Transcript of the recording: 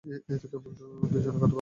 এ তো কেবল দুইজনের কথা বললাম।